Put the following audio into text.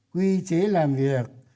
quy chế làm việc